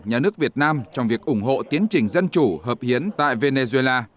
nhà nước việt nam trong việc ủng hộ tiến trình dân chủ hợp hiến tại venezuela